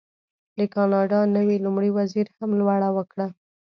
د کاناډا نوي لومړي وزیر هم لوړه وکړه.